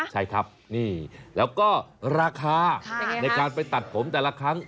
ใช่ครับนี่แล้วก็ราคาในการไปตัดผมแต่ละครั้ง